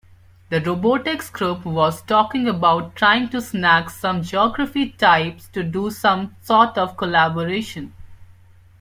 The robotics group was talking about trying to snag some geography types to do some sort of collaboration.